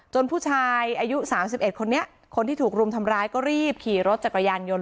ผู้ชายอายุ๓๑คนนี้คนที่ถูกรุมทำร้ายก็รีบขี่รถจักรยานยนต์